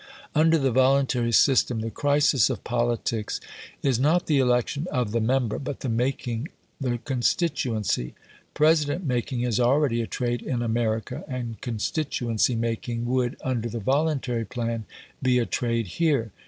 Under the voluntary system, the crisis of politics is not the election of the member, but the making the constituency. President making is already a trade in America, and constituency making would, under the voluntary plan, be a trade here.